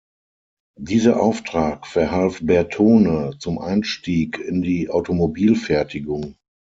Dieser Auftrag verhalf Bertone zum Einstieg in die Automobilfertigung.